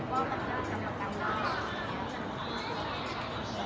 พี่แม่ที่เว้นได้รับความรู้สึกมากกว่า